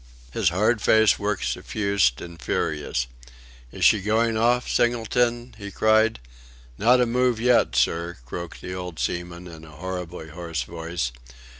His hard face worked suffused and furious. "Is she going off, Singleton?" he cried. "Not a move yet, sir," croaked the old seaman in a horribly hoarse voice.